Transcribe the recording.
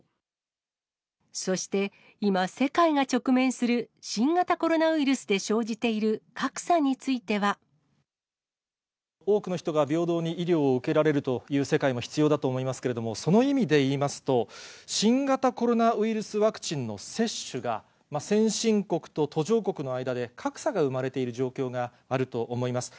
そして、今、世界が直面する新型コロナウイルスで生じている格差については。多くの人が平等に医療を受けられるという世界も必要だと思いますけれども、その意味でいいますと、新型コロナウイルスワクチンの接種が、先進国と途上国の間で、格差が生まれている状況があると思います。